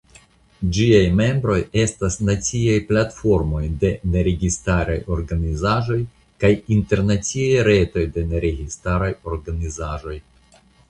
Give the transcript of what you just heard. Ĝiaj membroj estas naciaj platformoj de neregistaraj organizaĵoj kaj internaciaj retoj de neregistaraj organizaĵoj.